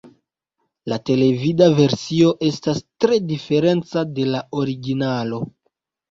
La televida versio estas tre diferenca de la originalo.